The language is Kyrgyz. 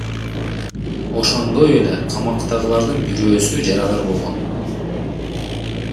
Ошондой эле камактагылардын бирөөсү жарадар болгон.